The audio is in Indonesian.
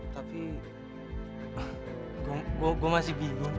tapi gue masih bingung